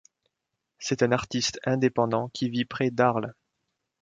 C'est un artiste indépendant qui vit près d'Arles.